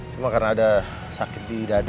cuma karena ada sakit di dada